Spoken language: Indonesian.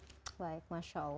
baik masya allah